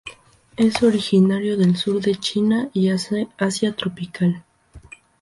Es originario del sur de China y Asia tropical.